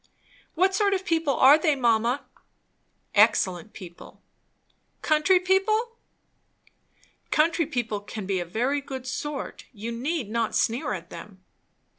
"What sort of people are they, mamma?" "Excellent people." "Country people! " "Country people can be a very good sort. You need not sneer at them."